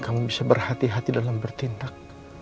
kamu bisa berhati hati dalam bertindak